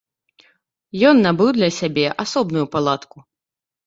Ён набыў для сябе асобную палатку.